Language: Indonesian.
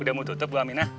udah mau tutup bu aminah